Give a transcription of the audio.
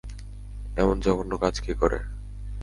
এমন জঘন্য কাজ কে করে?